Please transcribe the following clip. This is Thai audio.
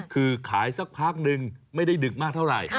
คือขายสักพักนึงไม่ได้ดึกมากเท่าไหร่